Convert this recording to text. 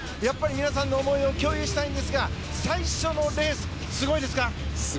皆さんの思いを共有したいんですが最初のレース、すごいですか？